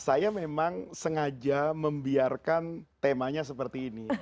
saya memang sengaja membiarkan temanya seperti ini